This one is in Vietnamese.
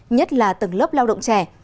nhất là tầng lớp lao động trẻ